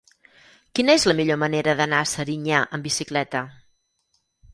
Quina és la millor manera d'anar a Serinyà amb bicicleta?